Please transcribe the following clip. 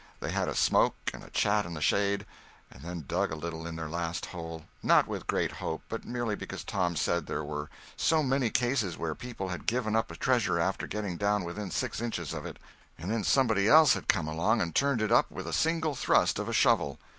They had a smoke and a chat in the shade, and then dug a little in their last hole, not with great hope, but merely because Tom said there were so many cases where people had given up a treasure after getting down within six inches of it, and then somebody else had come along and turned it up with a single thrust of a shovel.